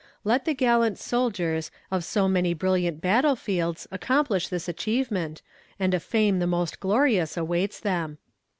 Let the gallant soldiers of so many brilliant battle fields accomplish this achievement, and a fame the most glorious awaits them.